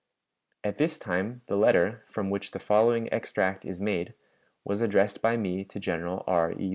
At this time the letter, from which the following extract is made, was addressed by me to General R. E.